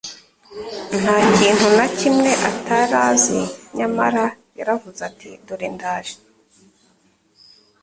Nta kintu na kimwe atari azi, nyamara yaravuze ati: " Dore ndaje,